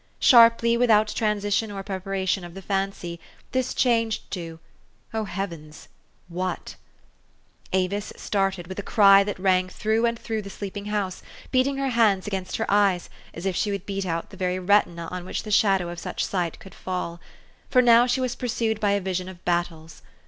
Sharply, without transition or preparation of the fancy, this changed to O heavens ! What ? Avis started, with a cry that rang through and through the sleeping house, beating her hands against her eyes, as if she would beat out the very retina on which the shadow of such sight could fall. For now she was pursued by a vision of battles.